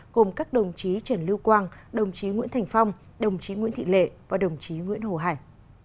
gồm các đồng chí trần lưu quang đồng chí nguyễn thành phong đồng chí nguyễn thị lệ và đồng chí nguyễn hồ hải